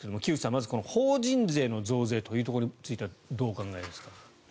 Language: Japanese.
まず法人税の増税についてはどうお考えですか。